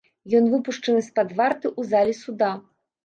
Ён выпушчаны з-пад варты ў залі суда.